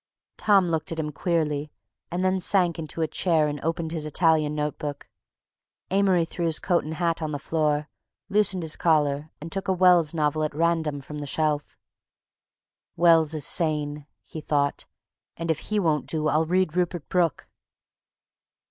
Tom looked at him queerly and then sank into a chair and opened his Italian note book. Amory threw his coat and hat on the floor, loosened his collar, and took a Wells novel at random from the shelf. "Wells is sane," he thought, "and if he won't do I'll read Rupert Brooke."